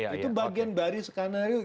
itu bagian baris skenario